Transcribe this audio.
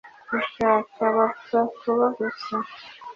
gushaka, bapfa kuba gusa